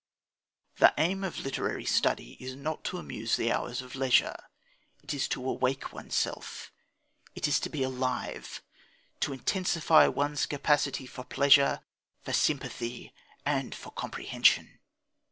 The aim of literary study is not to amuse the hours of leisure; it is to awake oneself, it is to be alive, to intensify one's capacity for pleasure, for sympathy, and for comprehension.